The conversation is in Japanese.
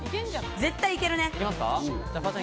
絶対いけるね。